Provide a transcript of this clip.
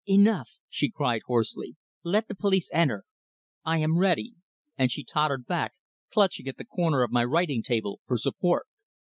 "Enough!" she cried hoarsely. "Let the police enter. I am ready," and she tottered back, clutching at the corner of my writing table for support.